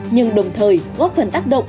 nhưng đồng thời góp phần tác động